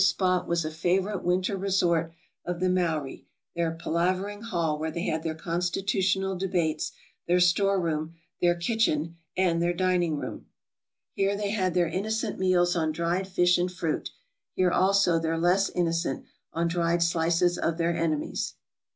This spot was a favorite winter resort of the Maori — their palavering hall where they had their constitutional debates, their store room, their kitchen, and their dining room. Here they had their innocent meals on dried fish and fruit, here also their less innocent, on dried slices of their enemies.